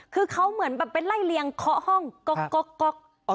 คือเขาเหมือนแบบไปไล่เลียงเคาะห้องก๊อก